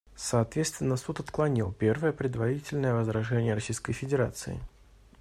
Соответственно, Суд отклонил первое предварительное возражение Российской Федерации.